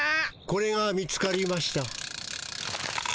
これが見つかりました。